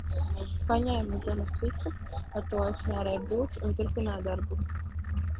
Paņēmu zemes piku, ar to aizsmērēju brūci un turpināju darbu.